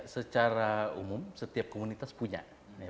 secara umum setiap komunitas punya